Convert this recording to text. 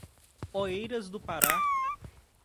Oeiras do Pará